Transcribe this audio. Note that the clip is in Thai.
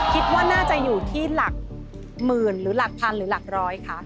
คิดว่าน่าจะอยู่ที่หลักหมื่นหรือหลักพันหรือหลักร้อยคะ